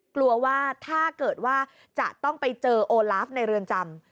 กลัวว่าถ้าเกิดว่าจะต้องไปเจอโอลาฟในเรือนจำ